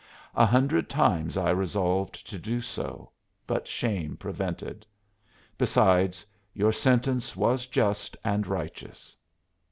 A hundred times I resolved to do so, but shame prevented. Besides, your sentence was just and righteous.